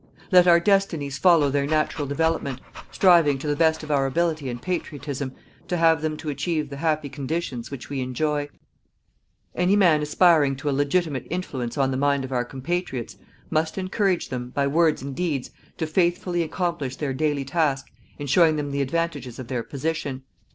Let our destinies follow their natural development, striving to the best of our ability and patriotism to have them to achieve the happy conditions which we enjoy. Any man aspiring to a legitimate influence on the mind of our compatriots, must encourage them, by words and deeds, to faithfully accomplish their daily task in showing them the advantages of their position.